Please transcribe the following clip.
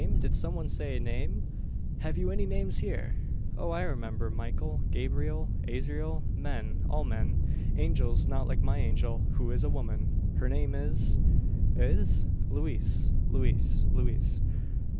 Did some one say, name? Have you any names here? Oh! I remember Michael, Gabriel, Azrael men, all men. Angels, not like my angel who is a woman. Her name is " "Is?" "Louise Louise Louise.